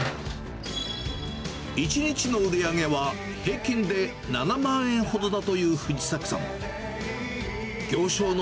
１日の売り上げは平均で７万円ほどだという藤崎さん。